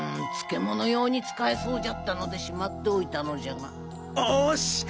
漬物用に使えそうじゃったのでしまっておいたのじゃがおーし！